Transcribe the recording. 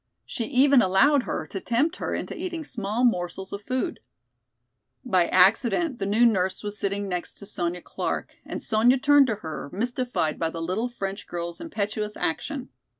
She even allowed her to tempt her into eating small morsels of food. By accident the new nurse was sitting next Sonya Clark and Sonya turned to her, mystified by the little French girl's impetuous action.